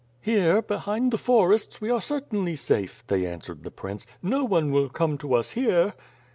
"Here, behind the forests, we are certainly safe," they answered the prince, "no one will come to us here."